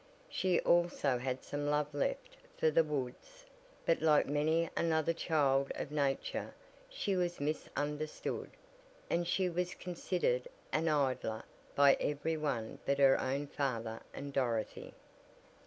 She also had some love left for the woods; but like many another child of nature, she was misunderstood, and she was considered an idler by every one but her own father and Dorothy.